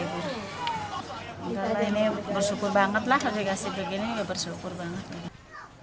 ini bersyukur banget lah kekasih begini bersyukur banget